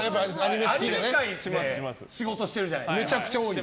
アニメ界で仕事してるじゃないですか。